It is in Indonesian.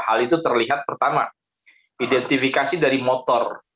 hal itu terlihat pertama identifikasi dari motor